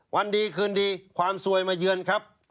วันดีคืนดีความสวยมาเยือนครับ